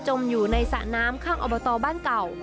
อยู่ในสระน้ำข้างอบตบ้านเก่า